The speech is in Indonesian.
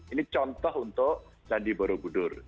ini contoh untuk candi borobudur